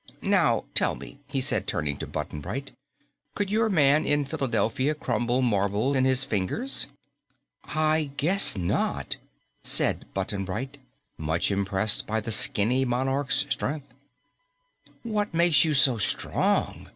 "Now, tell me," he said, turning to Button Bright, "could your man in Philadelphia crumble marble in his fingers?" "I guess not," said Button Bright, much impressed by the skinny monarch's strength. "What makes you so strong?"